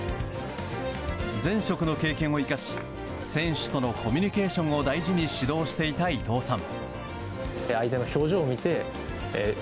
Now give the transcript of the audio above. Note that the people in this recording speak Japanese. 前職の経験を生かし選手とのコミュニケーションを大事に指導していた伊藤さん。